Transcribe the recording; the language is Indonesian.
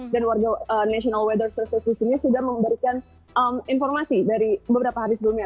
dan national weather service di sini sudah memberikan informasi dari beberapa hari sebelumnya